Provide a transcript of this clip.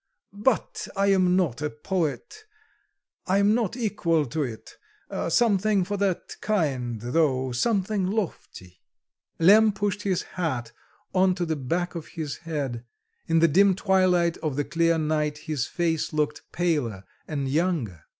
But I am not a poet. I'm not equal to it! Something for that kind, though, something lofty." Lemm pushed his hat on to the back of his head; in the dim twilight of the clear night his face looked paler and younger.